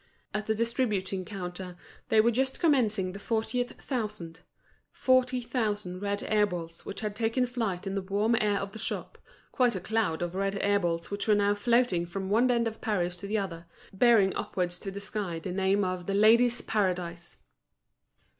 At the distributing counter they were just commencing the fortieth thousand: forty thousand red air balls which had taken flight in the warm air of the shop, quite a cloud of red air balls which were now floating from one end of Paris to the other, bearing upwards to the sky the name of The Ladies' Paradise!